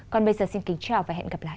còn bây giờ xin kính chào và hẹn gặp lại